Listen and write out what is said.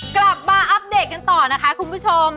กลับมาอัปเดตกันต่อนะคะคุณผู้ชม